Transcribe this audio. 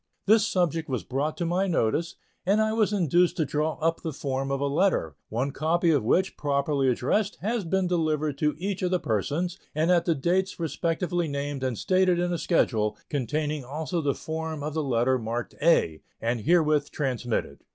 This subject was brought to my notice, and I was induced to draw up the form of a letter, one copy of which, properly addressed, has been delivered to each of the persons, and at the dates respectively named and stated in a schedule, containing also the form of the letter marked A, and herewith transmitted.